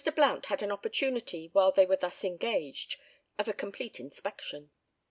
Blount had an opportunity while they were thus engaged of a complete inspection.